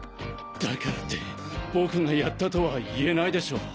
だからって僕がやったとは言えないでしょう。